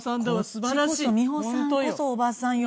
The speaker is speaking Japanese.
こっちこそ美穂さんこそおばさんよ。